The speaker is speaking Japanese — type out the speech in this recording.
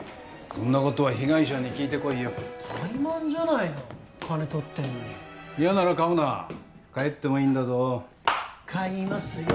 そんなことは被害者に聞いてこいよ怠慢じゃないの金取ってんのに嫌なら買うな帰ってもいいんだぞ買いますよ